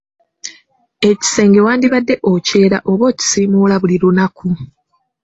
Ekisenge wandibadde okyera oba okukisiimuula buli lunaku.